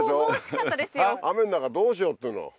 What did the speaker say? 雨ん中どうしようっていうの？